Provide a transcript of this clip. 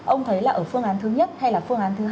ông thấy là ở phương án thứ nhất hay là phương án thứ hai